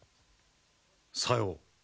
さよう。